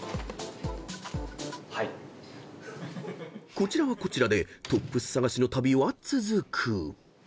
［こちらはこちらでトップス探しの旅は続く］